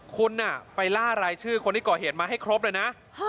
คุณไปล่ารายชื่อคนที่ก่อเหตุมาให้ครบเลยนะ